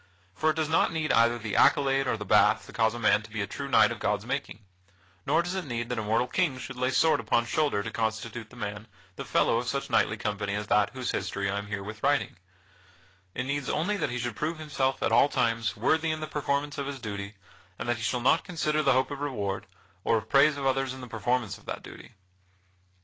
For it does not need either the accolade or the bath to cause a man to be a true knight of God's making; nor does it need that a mortal King should lay sword upon shoulder to constitute a man the fellow of such knightly company as that whose history I am herewith writing; it needs only that he should prove himself at all times worthy in the performance of his duty, and that he shall not consider the hope of reward, or of praise of others in the performance of that duty.